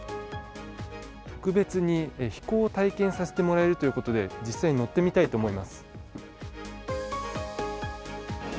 特別に飛行を体験させてもらえるということで実際に乗ってみたいと思います。